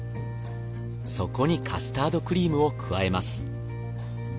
そこにカスタードクリームを加えます。